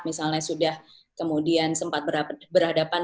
misalnya sudah kemudian sempat berhadapan